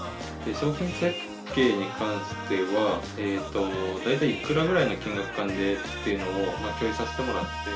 商品設計に関しては大体いくらぐらいの金額感でっていうのを共有させてもらって。